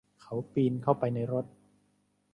เขาปีนเข้าไปในรถ